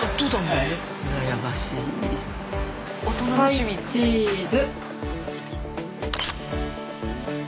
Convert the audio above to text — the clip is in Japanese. はいチーズ！